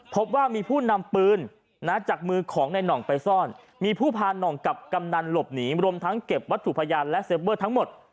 พบว่ามีผู้นำปืนจากมือของในหน่องไปซ่อนมีผู้พาน่องกับกำนันหลบหนีรวมทั้งเก็บวัตถุพยานและเซฟเวอร์ทั้งหมด